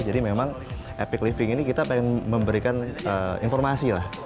jadi memang epic living ini kita ingin memberikan informasi lah